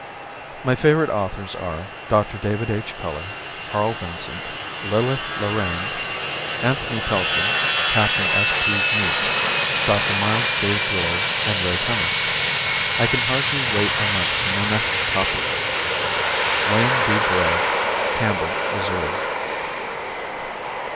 My favorite authors are Dr. David H. Keller, Harl Vincent, Lillith Lorraine, Anthony Pelcher, Capt. S. P. Meek, Dr. Miles J. Breuer and Ray Cummings. I can hardly wait a month for my next copy. Wayne D. Bray, Campbell, Missouri.